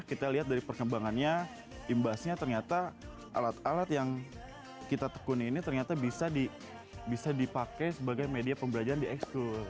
kita lihat dari perkembangannya imbasnya ternyata alat alat yang kita tekuni ini ternyata bisa dipakai sebagai media pembelajaran di eksklur